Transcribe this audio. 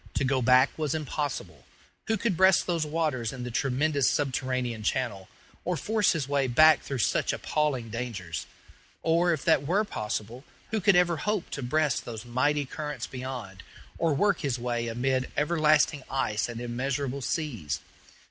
To go back was impossible. Who could breast those waters in the tremendous subterranean channel, or force his way back through such appalling dangers? Or, if that were possible, who could ever hope to breast those mighty currents beyond, or work his way amid everlasting ice and immeasurable seas?